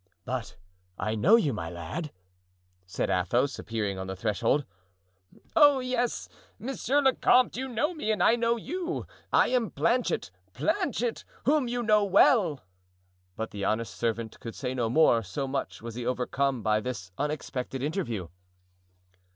"But I know you, my lad," said Athos, appearing on the threshold. "Oh, yes, monsieur le comte, you know me and I know you. I am Planchet—Planchet, whom you know well." But the honest servant could say no more, so much was he overcome by this unexpected interview.